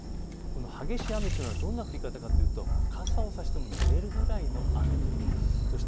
激しい雨というのはどんな降り方かというと傘を差してもぬれるくらいの雨です。